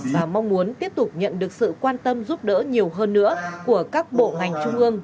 và mong muốn tiếp tục nhận được sự quan tâm giúp đỡ nhiều hơn nữa của các bộ ngành trung ương